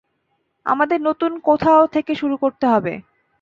আমাদের নতুন কোথাও থেকে শুরু করতে হবে।